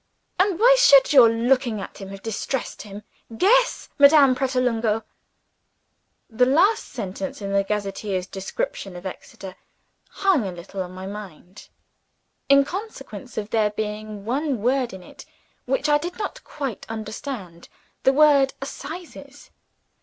"And why should your looking at him have distressed him? Guess, Madame Pratolungo!" The last sentence in the gazetteer's description of Exeter hung a little on my mind in consequence of there being one word in it which I did not quite understand the word "Assizes."